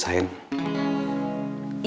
sebelum amin miah itu bapak